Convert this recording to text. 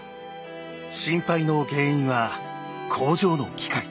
心配の原因は工場の機械。